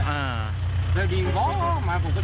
แล้วเรายิงว้อออกมาผมก็ทนแล้ว